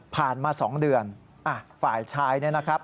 ผ่านมา๒เดือนฝ่ายชายนี่นะครับ